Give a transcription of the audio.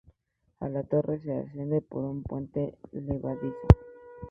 A la torre se accedía por un puente levadizo.